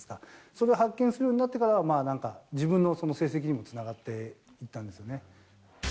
それを発見するようになってから、まあなんか、自分の成績にもつながっていったんですよね。